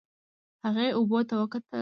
هغې اوبو ته وکتل.